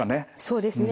そうですね。